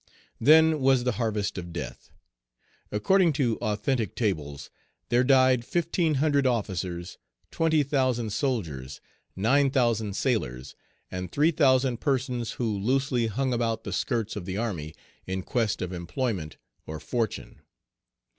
Then was the harvest of death. According to authentic tables, there died fifteen hundred officers, twenty thousand soldiers, nine thousand sailors, and three thousand persons who loosely hung about the skirts of the army in quest of employment or fortune.